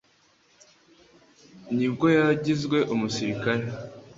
ni bwo yagizwe umusirikare,